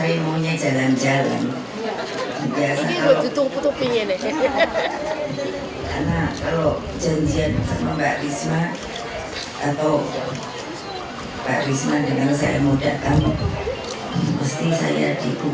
ini buat tutup tutupin ya